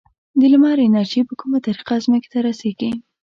د لمر انرژي په کومه طریقه ځمکې ته رسیږي؟